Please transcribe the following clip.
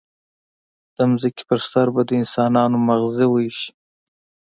د ځمکې پر سر به د انسانانو ماغزه وایشي.